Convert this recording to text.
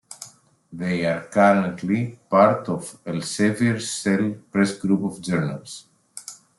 They are currently part of Elsevier's Cell Press group of journals.